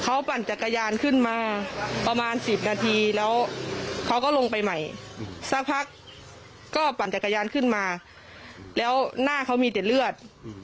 เขาปั่นจักรยานขึ้นมาประมาณ๑๐นาทีแล้วเขาก็ลงไปใหม่สักพักก็ปั่นจักรยานขึ้นมาแล้วหน้าเขามีแต่เลือด